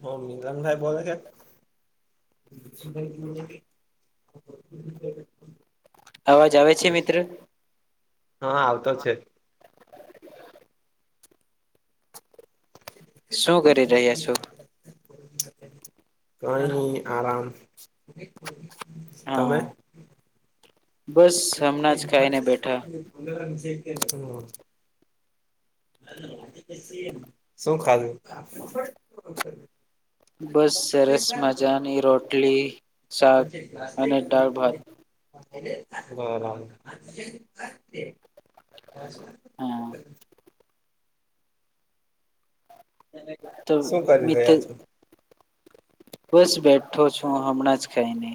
Phone મીરાનભાઈ બોલે છે? [unintelligible] અવાજ આવે છે મિત્ર? હા, આવતો છે. શું કરી રહ્યા છો? કઈ ની આરામ. હા તમે? બસ હમણાં જ ખાઈને બેઠા [unintelligible] હમ. [unintelligible] શું ખાધું? [unintelligible] બસ, સરસ મજાની રોટલી શાક અને દાળ-ભાત. બરાબર. હા [unintelligible] [inaudible] તો શું કરી મિતો રહ્યા છો બસ બેઠ બેઠો છું હમણાં જ ખઈને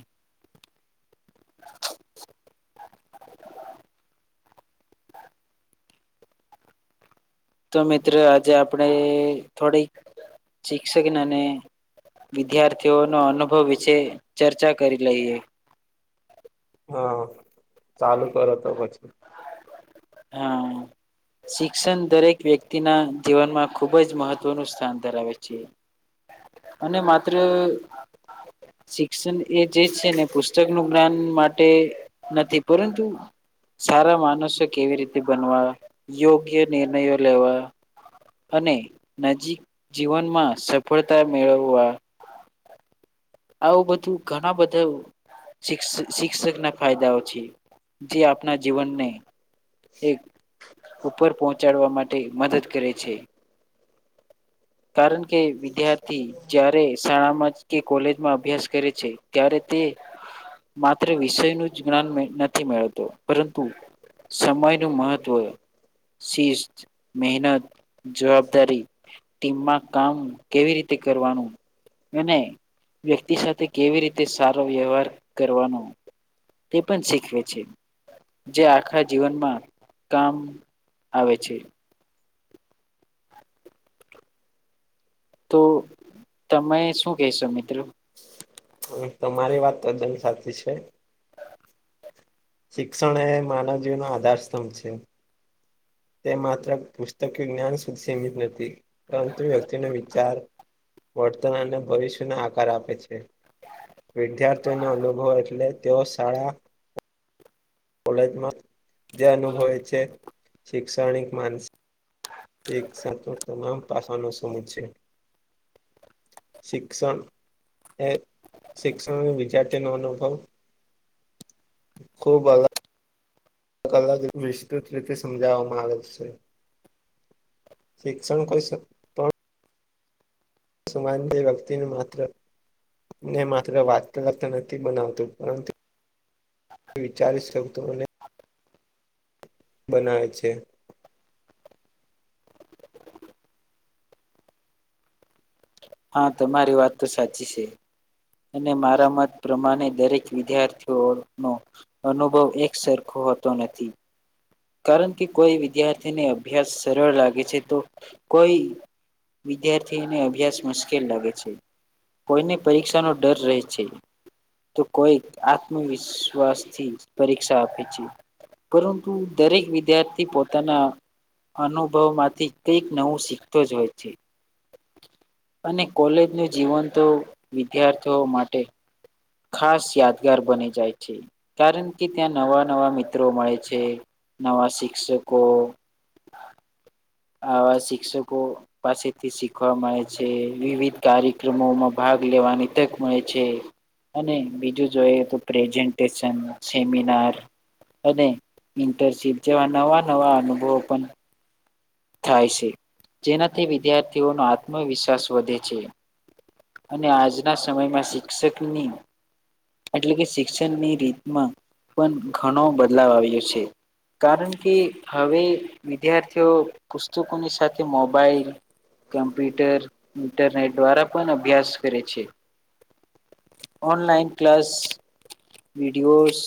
તો મિત્ર આજે આપણે અ થોડીક શિક્ષણ અને વિદ્યાર્થીઓનો અનુભવ વિશે ચર્ચા કરી લઈએ. હમમ ચાલુ કરો તો પછી હા શિક્ષણ દરેક વ્યક્તિના જીવનમાં ખૂબ જ મહત્ત્વનું સ્થાન ધરાવે છે. અને માત્ર શિક્ષણ એ જે છે ને પુસ્તકનું જ્ઞાન માટે નથી પરંતુ સારા માનસો કેવી રીતે બનવા, યોગ્ય નિર્ણયો લેવા અને નજીક જીવનમાં સફળતા મેળવવા આવું બધું ઘણા બધા શિક્સ શિક્ષકના ફાયદાઓ છે જે આપના જીવનને એક ઉપર પહોંચાડવા માટે મદદ કરે છે. કારણ કે વિદ્યાર્થી જ્યારે શાળામાં કે કોલેજ માં અભ્યાસ કરે છે ત્યારે તે માત્ર વિષયનું જ જ્ઞાન ન નથી મળતું પરંતુ સમયનું મહત્વ શિસ્ત, મહેનત, જવાબદારી ટીમમાં કામ કેવી રીતે કરવાનું અને વ્યક્તિ સાથે કેવી રીતે સારો વ્યવહાર કરવાનો તે પણ શીખવે છે. જે આખા જીવનમાં કામ આવે છે. તો તમે શું કહેશો મિત્રો? હા તમારી વાત તદન સાચી છે. શિક્ષણ એ માનવજીવનનો આધારસ્તંભ છે. તે માત્ર પુસ્તકીય જ્ઞાન સુધી સીમિત નથી પરંતુ વ્યક્તિનો વિચાર વર્તન અને ભવિષ્યને આકાર આપે છે. વિદ્યાર્થીઓનો અનુભવ એટલે તેઓ શાળા કોલેજમાં જે અનુભવે છે. શિક્ષણિક, માનસી તે સાંતો તમામ પાસાનો સમૂહ છે. શિક્ષણ એ શિક્ષણ વિદ્યાર્થીનો અનુભવ ખૂબ અ અલગ વિસ્તૃત રીતે સમજાવવામાં આવે છે. શિક્ષણ કોય શ પણ સમાન તે વ્યક્તિનું માત્ર ને માત્ર વાતત નથી બનાવતું પરંતુ એ વિચારસ શકતું અને બનાવે છે. હા તમારી વાત તો સાચી છે અને મારા મત પ્રમાણે દરેક વિદ્યાર્થીઓનો અનુભવ એક સરખો હોતો નથી. કારણ કે કોઈ વિદ્યાર્થીને અભ્યાસ સરળ લાગે છે તો કોઈ વિદ્યાર્થીને અભ્યાસ મુશ્કેલ લાગે છે. કોઈની પરીક્ષાનો ડર રહે છે. તો કોઈ આત્મવિશ્વાસથી પરીક્ષા આપે છે પરંતુ દરેક વિદ્યાર્થી પોતાના અનુભવમાંથી કંઈક નવું શીખતો જ હોય છે. અને કોલેજનું જીવન તો વિદ્યાર્થીઓ માટે ખાસ યાદગાર બની જાય છે કારણ કે ત્યાં નવા નવા મિત્રો મળે છે. નવા શિક્ષકો આવા શિક્ષકો પાસેથી શીખવા મળે છે વિવિધ કાર્યક્રમોમાં ભાગ ભાગ લેવાની તક મળે છે. અને બીજું જોઈ તો પ્રેઝન્ટેશન સેમિનાર અને ઇન્ટરશીપ જેવા નવા નવા અનુભવો પન થાય છે જેનાથી વિદ્યાર્થીઓનો આત્મવિશ્વાસ વધે છે. અને આજના સમયમાં શિક્ષકની એટલે કે શિક્ષણની રીતમાં પણ ઘણો બદલાવ આવ્યો છે. કારણ કે હવે વિદ્યાર્થીઓ પુસ્તકોની સાથે મોબાઈલ કમ્પ્યુટર ઇન્ટરનેટ દ્વારા પણ અભ્યાસ કરે છે. ઓનલાઇન ક્લાસ વિડીયોસ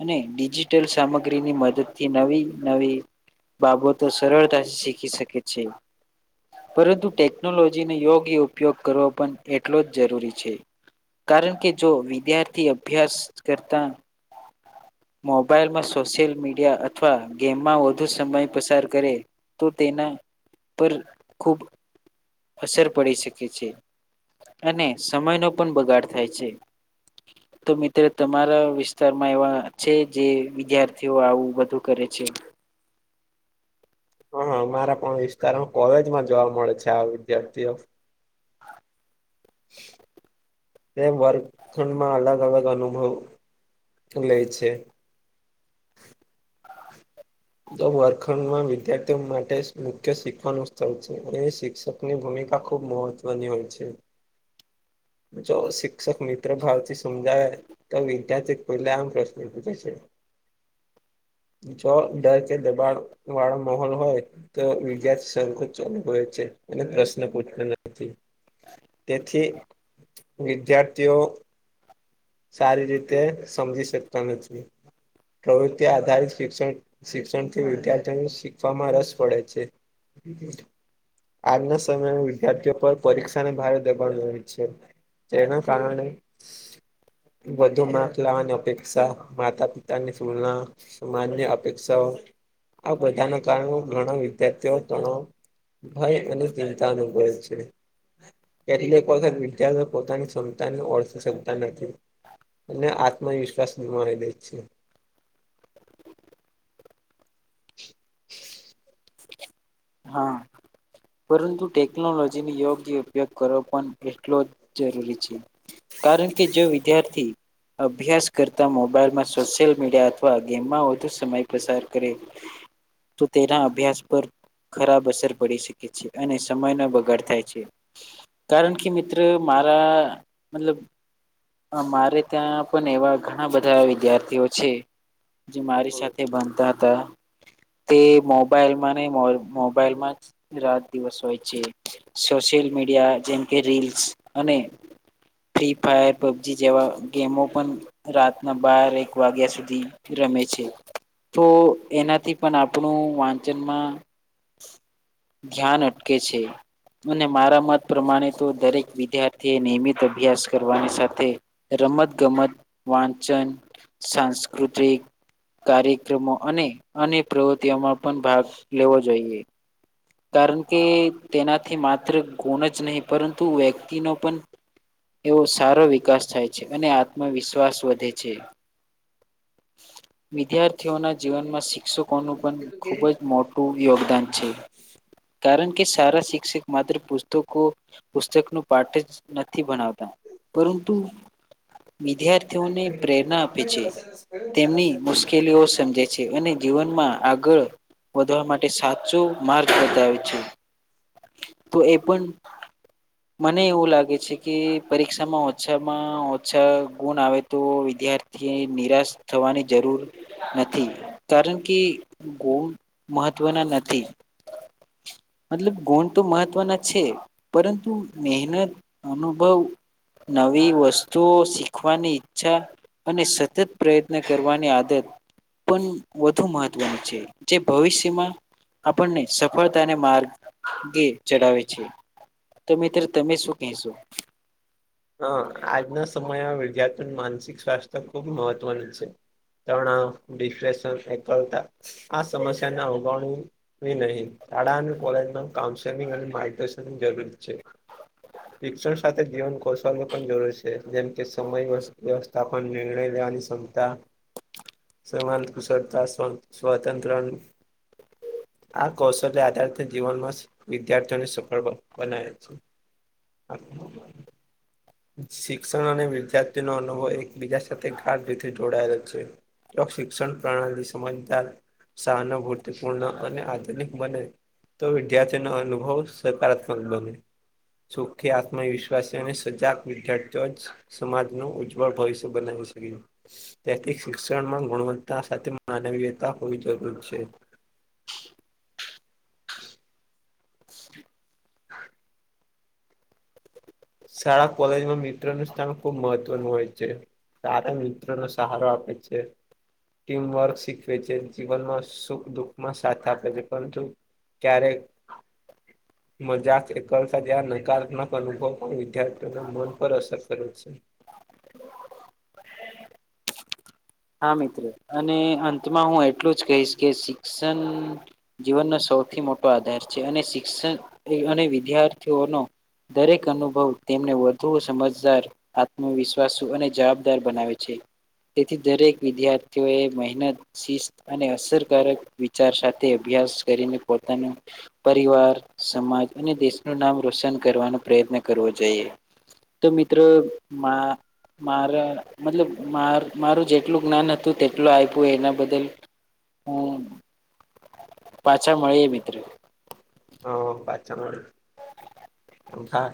અને ડિજિટલ સામગ્રીની મદદથી નવી નવી બાબતો સરળતાથી શીખી શકે છે. પરંતુ ટેકનોલોજીન યોગ્ય ઉપયોગ કરવો પણ એટલો જ જરૂરી છે. કારણ કે જો વિદ્યાર્થી અભ્યાસ કરતા મોબાઈલમાં સોશિયલ મીડિયા અથવા ગેમમાં વધુ સમય પસાર કરે તો તેના પર ખુબ અસર પડી શકે છે. અને સમય નો પણ બગાડ થાય છે તો મિત્ર તમારા વિસ્તારમાં એવા છે જે વિદ્યાર્થીઓ આવું બધું કરે છે હ અમારા પણ વિસ્તારમાં કોલેજમાં જોવા મળે છે આ વિદ્યાર્થીઓ તે વર્ગખંડમાં અલગ અલગ અનુભવ લઈ છે જો વર્ગખંડ માં વિદ્યાર્થીઓ માટે મુખ્ય શીખવાનું સ્થળ છે એ શિક્ષક ની ભૂમિક ખુબ મહત્વની હોય છે જો શિક્ષક મિત્રભાવથી સમજાવે તો વિદ્યાર્થી પેલા આમ પ્રશ્ન પૂછે છે જો ડર કે દબાણ વાળો માહોલ હોય તો વિજાર સરખું ચાલ હોય છે એ પ્રશ્ન પૂછતા નથી તેથી વિદ્યાર્થીઓ સારી રીતે સમજી શકતા નથી પ્રવૃત્તિ આધારિત શિક્ષણ શિક્ષણથી વિદ્યાર્થીઓને શીખવામાં રસ પડે છે [inaudible] આજના સમયમાં વિદ્યાર્થીઓ પર પરીક્ષાને ભારે દબાણ હોય છે જેના કારણે વધુ માર્ક લાવાની અપેક્ષા માતા પિતાની સુુલના સમાજની અપેક્ષાઓ આ બધા ના કરણો ઘણા વિદ્યાર્થીઓ ઘણો ભાઈ એનું ચિંતાનુભવ હોય છે એટલે એક વખત વિદ્યાર્થીઓ પોતાની ક્ષમતાની ઓળખ સકતા નથી અને આત્મવિશ્વાસ ગુમાવી દે છે હા પરંતુ ટેકનોલોજીની યોગ્ય ઉપયોગ કરવો પણ એટલોજ જરૂરી છે કારણ કે જો વિદ્યાર્થી અભ્યાસ કરતા મોબાઈલમાં સોશિયલ મીડિયા અથવા ગેમમાં વધુ સમય પસાર કરે તો તેના અભ્યાસ પર ખરાબ અસર પડી શકે છે અને સમય નો બગાડ થાય છે કારણ કે મિત્ર મારા મતલબ અ મારે ત્યાં પણ એવા ઘણા બધા વિદ્યાર્થીઓ છે. જે મારી સાથે ભણતા હતા તે મો મોબાઈલ માંને મોબાઈલમાં જ રાત દિવસ હોય છે સોશિયલ મીડિયા જેમ કે કે રીલ્સ અને ફ્રી ફાયર પબજી જેવા ગેમો પણ રાતના બાર એક વાગ્યા સુધી રમે છે તો એનાથી પણ આપણું વા વાચનમાં ધ્યાન અટકે છે. અને મારા મત પ્રમાણે તો દરેક વિદ્યાર્થીએ નિયમિત અભ્યાસ કરવાની સાથે રમત, ગમત વાન વાચન, સાંસ્કૃતિક કાર્યક્રમો અને અન્ય પ્રવૃતિઓમાં પણ ભાગ લેવો જોઈએ. કારણ કે તેનાથી માત્ર ગુણ જ નહીં પરંતુ વ્યક્તિનો પણ એવો સારો વિકાસ થાય છે અને આત્મવિશ્વાસ વધે છે. [inaudible] વિદ્યાર્થીઓના જીવનમાં શિક્ષકોનું પણ ખૂબજ મોટું યોગદાન છે. કારણ કે સારા શિક્ષક માત્ર પુસ્તકો પુસ્તકનો પાઠ જ નથી ભણાવતા પરંતુ વિદ્યાર્થીઓને પ્રેરણા આપે છે તેમની મુશ્કેલીઓ સમજે છે. અને જીવનમાં આગળ વધવા માટે સાચો માર્ગ બતાવે છે. તો એ પણ મને એવું લાગે છે કે પરીક્ષામાં ઓછામાં ઓછા ગુણ આવે તો વિદ્યાર્થી નિરાશ થવાની જરૂર નથી કારણ કે ગોમ મહત્વના નથી. મતલબ ગુણ તો મહત્વના છે પરંતુ મહેનત, અનુભવ નવી વસ્તુઓ શીખવાની ઈચ્છા અને સતત પ્રયત્ન કરવાની આદત પણ વધુ મહત્વનું છે જે ભવિષ્યમાં આપણને સફળતાને માર્ગે ચલાવે છે. તો મિત્ર તમે શું કેહશો? હા આજના સમયમાં વિદ્યાર્થીઓનું માનસિક સ્વાસ્થ્ય ખુબ મહત્વનું છે. તણાવ, ડિપ્રેશન, એકલતા આ સમસ્યાને અવગણીવી નહીં. શાળા અને કોલેજમાં કાઉન્સેલિંગ અને માર્ગદર્શન જરૂરી છે. શિક્ષણ સાથે જીવન કૌશલ પણ જરૂરી છે જેમ કે સમય વ્યવસ્થા પણ નિર્ણય લેવાની સંમતા સમાત કુશળતા, સ્વ સ્વતંત્ર આ કૌશલ્ય આધાર તો જીવનમાં વિદ્યાર્થીઓને સફળ બનાવે છે. [inaudible] શિક્ષણ અને વિદ્યાર્થી નો અનુભવ એકબીજા સાથે ગાઢ રીતે જોડાયેલો છે. તો શિક્ષણ પ્રણાલી સમજદાર, સહાનુભૂતિપૂર્ણ અને આધુનિક બને તો વિદ્યાર્થીનો અનુભવ સકારાત્મક બને. સુખી આત્મવિશ્વાસને સજાગ વિદ્યાર્થીઓ જ સમાજ નુ ઉજ્જવળ ભવિષ્ય બનાવી શકે તેથી શિક્ષણમાં ઘણું ભણતા સાથે માનવીયતા હોવી જરૂરી છે. [inaudible] [inaudible] [inaudible] શાળા કોલેજમાં મિત્ર નું સ્થાન ખુબ મહત્વનું હોય છે. સારા મિત્રોનો સહારો આપે છે. ટીમવર્ક શીખવે છે, જીવનમાં સુખ દુઃખમાં સાથ આપે છે પરંતુ ક્યારે મજાક, એકલતા જયા નિકાલ તા ન કરવી પડે. પણ વિદ્યાર્થીઓના મન પર અસર કરે છે હા, મિત્રો અને અંતમાં હું એટલું જ કહીશ કે શિક્ષણ જીવનનો સૌથી મોટો આધાર છે અને શિક્ષણ અને વિદ્યાર્થીઓનો દરેક અનુભવ તેમને વધુ સમજદાર આત્મવિશ્વાસ અને જવાબદાર બનાવે છે તેથી દરેક વિદ્યાર્થીઓએ મહેનત શિસ્ત અને અસરકારક વિચાર સાથે અભ્યાસ કરી અને પોતાનો પરિવાર સમાજ અને દેશનું નામ રોશન કરવાનો પ્રયત્ન કરવો જોઈએ તો મિત્રોરા મતલબ મારું જે એટલું જ્ઞાન હતું તેટલું આપ્યું એના બદલ હ પાછા મળી એ મિત્ર હ [unintelligible] અમંથા